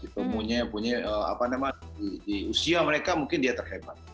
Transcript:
punya apa namanya di usia mereka mungkin dia terhebat